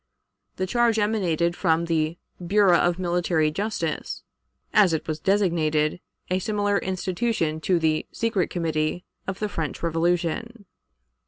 The charge emanated from the "Bureau of Military Justice," as it was designated a similar institution to the "Secret Committee" of the French Revolution.